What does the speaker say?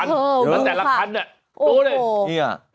โอ้โห๑๔คันแต่ละคันเนี่ยโอ้โห